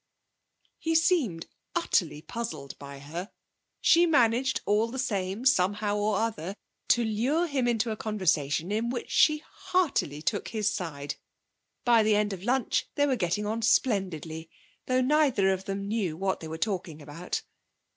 He seemed utterly puzzled by her. She managed, all the same, somehow or other to lure him into a conversation in which she heartily took his side. By the end of lunch they were getting on splendidly, though neither of them knew what they were talking about.